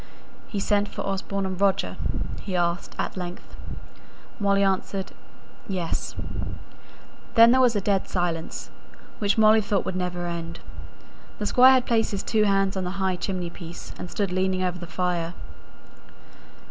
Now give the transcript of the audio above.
"He sent for Osborne and Roger?" he asked, at length. Molly answered, "Yes." Then there was a dead silence, which Molly thought would never end. The Squire had placed his two hands on the high chimney piece, and stood leaning over the fire.